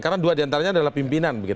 karena dua di antaranya adalah pimpinan